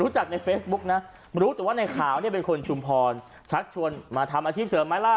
จากในเฟซบุ๊กนะรู้แต่ว่าในขาวเนี่ยเป็นคนชุมพรชักชวนมาทำอาชีพเสริมไหมล่ะ